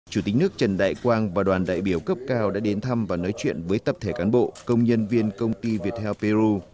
chủ tịch nước trần đại quang và đoàn đại biểu cấp cao đã đến thăm và nói chuyện với tập thể cán bộ công nhân viên công ty việt heo peru